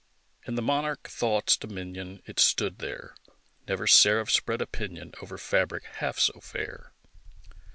In the monarch Thought's dominion It stood there! Never seraph spread a pinion Over fabric half so fair!